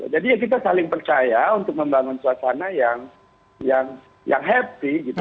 jadi kita saling percaya untuk membangun suasana yang happy